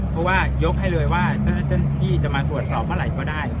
เพราะว่ายกให้เลยว่าเจ้าหน้าที่จะมาตรวจสอบเมื่อไหร่ก็ได้